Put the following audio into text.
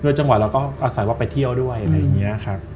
ด้วยจังหวะเราก็อาศัยว่าไปเที่ยวด้วยอะไรอันแต่นี้ค่ะ